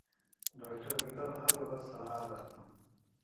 ډاکتر بلال هره ورځ سهار راته.